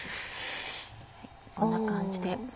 こんな感じで。